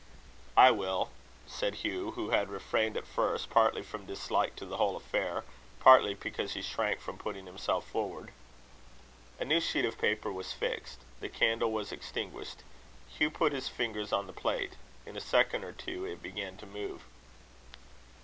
"I will," said Hugh, who had refrained at first, partly from dislike to the whole affair, partly because he shrank from putting himself forward. A new sheet of paper was fixed. The candle was extinguished. Hugh put his fingers on the plate. In a second or two, it began to move.